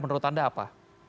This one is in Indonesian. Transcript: menurut anda apa